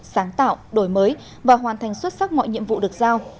sáng tạo đổi mới và hoàn thành xuất sắc mọi nhiệm vụ được giao